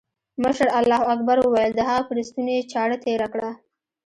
مشر الله اکبر وويل د هغه پر ستوني يې چاړه تېره کړه.